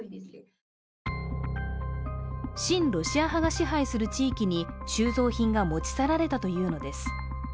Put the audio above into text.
しかし親ロシア派が支配する地域に収蔵品が持ち去られたというのです。